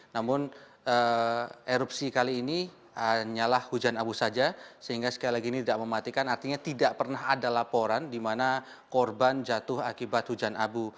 namun erupsi kali ini hanyalah hujan abu saja sehingga sekali lagi ini tidak mematikan artinya tidak pernah ada laporan di mana korban jatuh akibat hujan abu